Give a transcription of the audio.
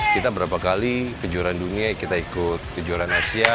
kita berapa kali kejuaran dunia kita ikut kejuaran asia